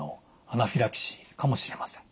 アナフィラキシーかもしれません。